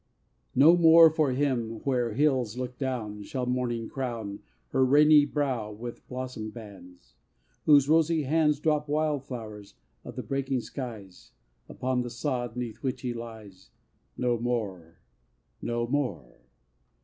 No more for him, where hills look down, Shall Morning crown Her rainy brow with blossom bands! Whose rosy hands Drop wild flowers of the breaking skies Upon the sod 'neath which he lies. No more! no more!